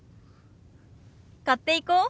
買っていこう。